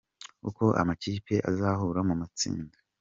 Uko amakipe azahura mu matsinda :.